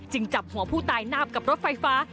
จับหัวผู้ตายนาบกับรถไฟฟ้า